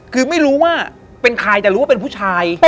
คือไม่รู้ว่าเป็นใครแต่รู้ว่าเป็นผู้ชาย